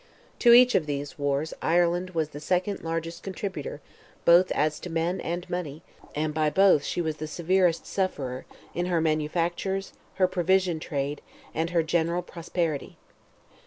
To each of these wars Ireland was the second largest contributor both as to men and money; and by both she was the severest sufferer, in her manufactures, her provision trade, and her general prosperity.